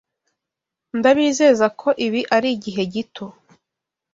Ndabizeza ko ibi arigihe gito.